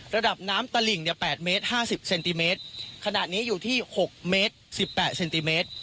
ระดับน้ำตลิ่งเนี่ยแปดเมตรห้าสิบเซนติเมตรขณะนี้อยู่ที่หกเมตรสิบแปดเซนติเมตร